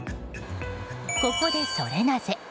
ここでソレなぜ？